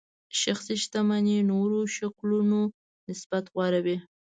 شخصي شتمنۍ نورو شکلونو نسبت غوره وي.